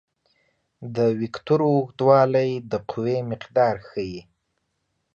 د وکتور اوږدوالی د قوې مقدار ښيي.